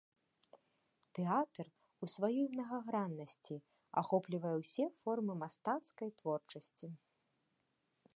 Тэатр у сваёй мнагаграннасці ахоплівае ўсе формы мастацкай творчасці.